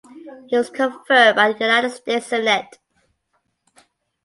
He was confirmed by the United States Senate.